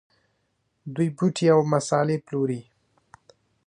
دوی بوټي او مسالې پلوري.